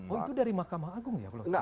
oh itu dari mahkamah agung ya